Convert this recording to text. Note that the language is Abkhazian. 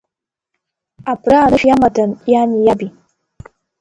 Абра анышә иамадан иани иаби.